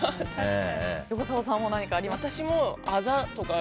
横澤さんも何かありますか？